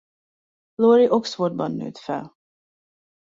Laurie Oxfordban nőtt fel.